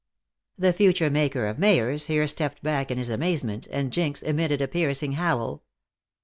The future maker of mayors here stepped back in his amazement, and Jinx emitted a piercing howl.